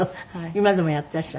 今でもやっていらっしゃる？